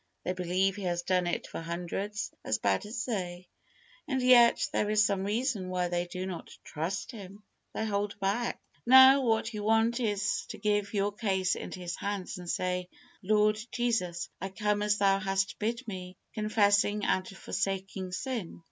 They believe He has done it for hundreds as bad as they, and yet there is some reason why they do not trust Him. They hold back. Now, what you want is to give your case into His hands, and say, "Lord Jesus, I come as Thou hast bid me, confessing and forsaking sin.